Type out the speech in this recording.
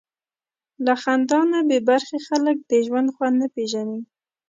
له خندا نه بېبرخې خلک د ژوند خوند نه پېژني.